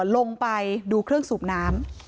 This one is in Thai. ลงไปดูเครื่องสูบน้ำ